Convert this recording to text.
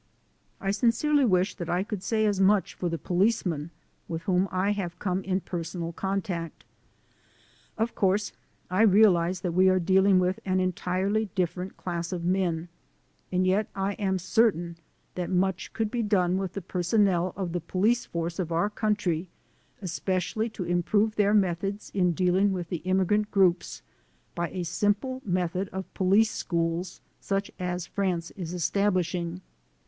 I sincerely wish that I could say as much for the policemen with whom I have come in personal con tact. Of course I realize that we are dealing with an entirely different class of men, and yet I am certain that much could be done with the personnel of the police force of our country, especially to im prove their methods in dealing with the immigrant groups, by a simple method of police schools such as France is establishing.